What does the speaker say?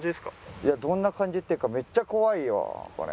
いやどんな感じっていうかめっちゃ怖いよこれ。